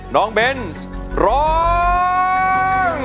น้องเบ้นซ์ร้อง